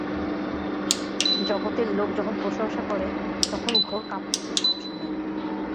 জগতের লোক যখন প্রশংসা করে, তখন ঘোর কাপুরুষও সাহসী হয়।